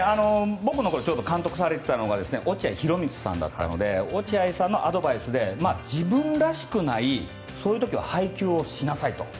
僕の時に監督さんでいたのが落合博満さんだったので落合さんのアドバイスで自分らしくないそういう時は配球をしなさいと。